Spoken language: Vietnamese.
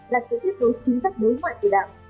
là sự tiếp đối chính sách đối ngoại của đảng